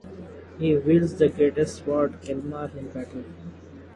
He wields the greatsword Kelmar in battle.